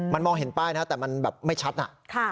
มันมองเห็นป้ายนะแต่มันแบบไม่ชัด